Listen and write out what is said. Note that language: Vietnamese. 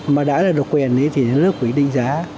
mà đã là độc quyền thì nhà nước quy định giá